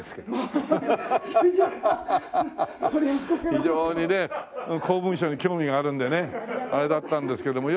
非常にね公文書に興味があるんでねあれだったんですけども。